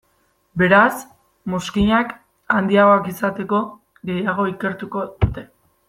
Beraz mozkinak handiagoak izateko, gehiago ikertuko dute.